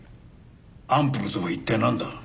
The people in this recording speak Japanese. アンプルとは一体なんだ？